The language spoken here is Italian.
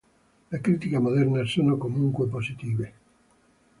La critica moderna sono comunque positive.